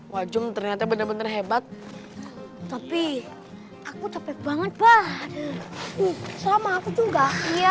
wajung ternyata bener bener hebat tapi aku tepat banget banget sama aku juga